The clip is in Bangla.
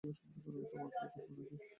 তোমার পরিকল্পনা কী?